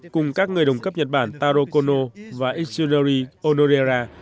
cùng các người đồng cấp nhật bản taro kono và ex general honorera